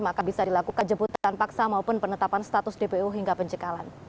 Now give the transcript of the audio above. maka bisa dilakukan jemputan paksa maupun penetapan status dpu hingga pencekalan